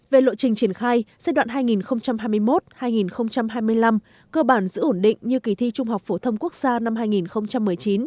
về lộ trình triển khai giai đoạn hai nghìn hai mươi một hai nghìn hai mươi năm cơ bản giữ ổn định như kỳ thi trung học phổ thông quốc gia năm hai nghìn một mươi chín